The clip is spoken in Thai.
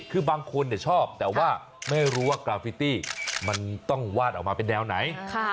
คือบางคนชอบแต่ว่าไม่รู้ว่ากราฟิตี้มันต้องวาดออกมาเป็นแนวไหน